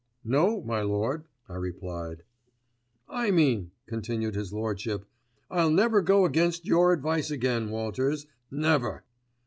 "'No, my Lord,' I replied. "'I mean,' continued his Lordship, 'I'll never go against your advice again, Walters, never!